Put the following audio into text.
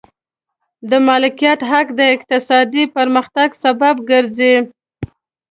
د مالکیت حق د اقتصادي پرمختګ سبب دی.